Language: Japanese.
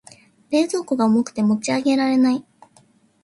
冷蔵庫が重くて持ち上げられない。